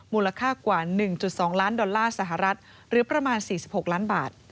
มูลค่ากว่า๑๒ล้านดอลลาร์สหรัฐหรือประมาณ๔๖ล้านบาท